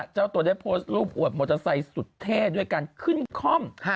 เจ้าตัวได้โพสต์รูปอวดมอเตอร์ไซค์สุดเท่ด้วยการขึ้นคล่อม